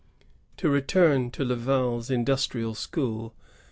"^ To return to Laval's industrial school.